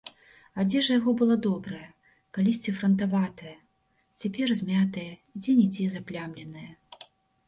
Адзежа яго была добрая, калісьці франтаватая, цяпер змятая і дзе-нідзе заплямленая.